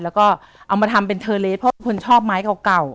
แล้วก็เอามาทำเป็นเทอร์เลสเพราะเป็นคนชอบไม้เก่า